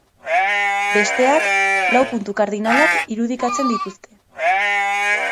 Besteak lau puntu kardinalak irudikatzen dituzte.